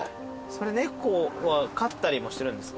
猫は飼ったりもしてるんですか？